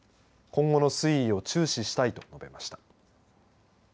今後の推移を注視したいと述べました。